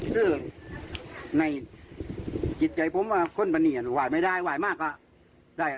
คือในกิจใจผมว่าคนประเนียนหวายไม่ได้หวายมากก็ได้